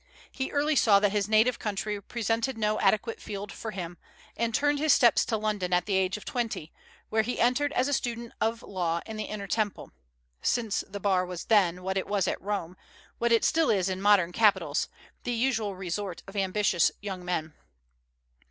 He early saw that his native country presented no adequate field for him, and turned his steps to London at the age of twenty, where he entered as a student of law in the Inner Temple, since the Bar was then, what it was at Rome, what it still is in modern capitals, the usual resort of ambitious young men.